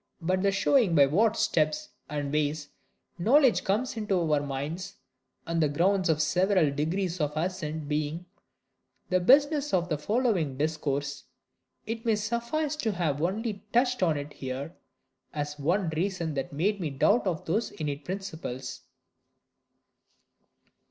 But the showing by what steps and ways knowledge comes into our minds; and the grounds of several degrees of assent, being; the business of the following Discourse, it may suffice to have only touched on it here, as one reason that made me doubt of those innate principles.